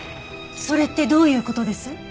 それってどういう事です？